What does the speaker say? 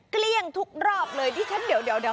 เกลี้ยงทุกรอบเลยดิฉันเดี๋ยว